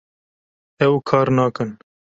ew kar nakin